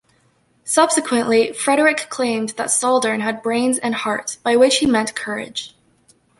Subsequently, Frederick claimed that Saldern had brains and heart, by which he meant courage.